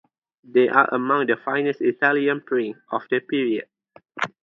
They are among the finest Italian prints of the period.